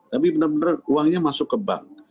tapi benar benar uangnya masuk ke bank